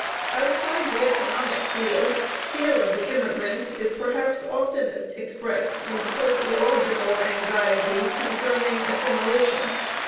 Outside the economic field, fear of the immigrant is perhaps oftenest expressed in the sociological anxiety concerning assimilation.